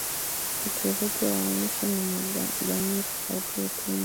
Kituruki wa nchi na jamii tofauti utumwa